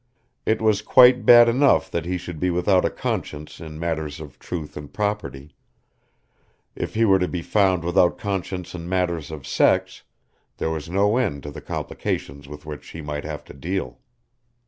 It was quite bad enough that he should be without a conscience in matters of truth and property; if he were to be found without conscience in matters of sex there was no end to the complications with which she might have to deal.